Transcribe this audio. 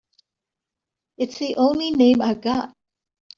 It's the only name I've got.